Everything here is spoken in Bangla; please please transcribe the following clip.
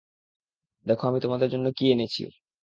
দেখ আমি তোমাদের জন্য কি এনেছি!